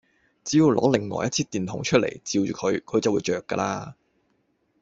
只要攞另外一支電筒出嚟，照住佢，佢就會著架喇